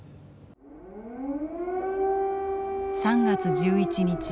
３月１１日。